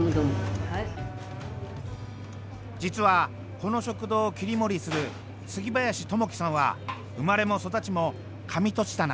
実はこの食堂を切り盛りする杉林智樹さんは生まれも育ちも上栃棚。